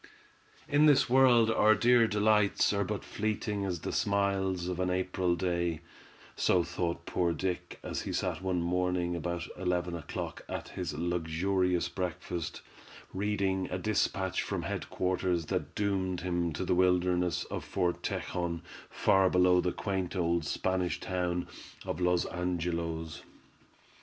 In this world our dear delights are but fleeting as the smiles of an April day—so thought poor Dick as he sat one morning about eleven o'clock at his luxurious breakfast, reading a dispatch from head quarters that doomed him to the wilderness of Fort Tejon, far below the quaint old Spanish town of Los Angelos.